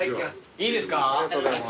いいですか？